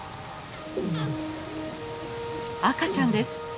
赤ちゃんです。